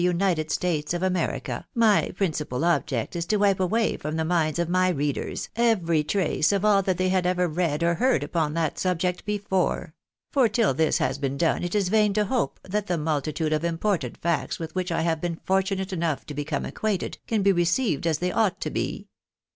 133 United States of America, my principal object is to wipe away from tlie minds of my readers every trace of all that they have ever read or heard upon that subject before ; for till this has been done it is vain to hope that the multitude of important facts with which I have been fortunate enough to become acquainted, can be received as tliey ouglit to be.